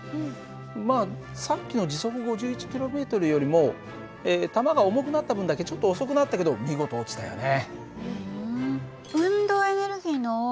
まあさっきの時速５１ｋｍよりも弾が重くなった分だけちょっと遅くなったけど見事落ちたよね。